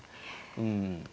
うん。